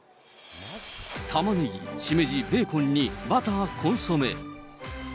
たまねぎ、しめじ、ベーコンにバター、コンソメ。